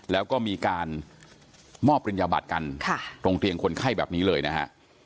แล้วก็มีการมอบปริญญาบัตรกันตรงเตียงคนไข้แบบนี้เลยนะฮะ